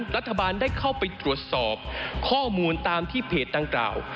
รัฐบาลได้เข้าไปตรวจสอบข้อมูลตามที่เพจดังกล่าว